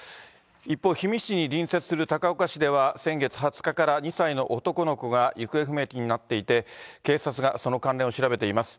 一方、氷見市に隣接する高岡市では、先月２０日から２歳の男の子が行方不明になっていて、警察がその関連を調べています。